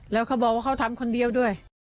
แล้วเขาบอกว่าเขาทำคนเดียวด้วย